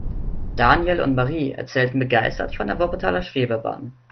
Daniel und Marie erzählten begeistert von der Wuppertaler Schwebebahn.